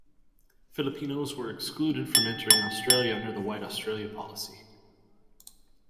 Filipinos were excluded from entering Australia under the White Australia policy.